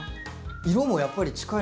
色もやっぱり近いので。